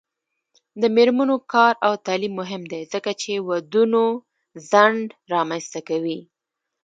د میرمنو کار او تعلیم مهم دی ځکه چې ودونو ځنډ رامنځته کوي.